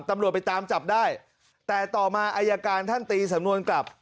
ตำรวจไปตามจับได้แต่ต่อมาอายการท่านตีสำนวนกลับ